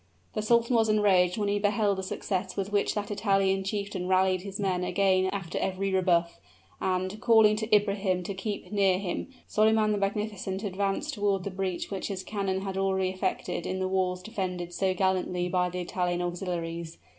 The sultan was enraged when he beheld the success with which that Italian chieftain rallied his men again after every rebuff; and, calling to Ibrahim to keep near him, Solyman the Magnificent advanced toward the breach which his cannon had already effected in the walls defended so gallantly by the Italian auxiliaries.